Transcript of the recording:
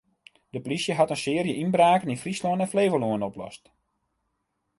De plysje hat in searje ynbraken yn Fryslân en Flevolân oplost.